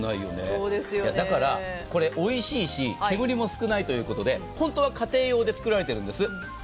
だからおいしいし煙も少ないということで本当は家庭用に作られているんです。